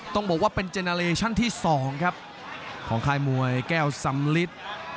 ต้องบอกว่าเป็นเจนาเลชั่นที่๒ครับของค่ายมวยแก้วสำลิด